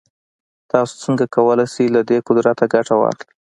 تاسې څنګه کولای شئ له دې قدرته ګټه واخلئ.